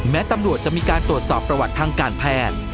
แม้ตำรวจจะมีการตรวจสอบประวัติทางการแพทย์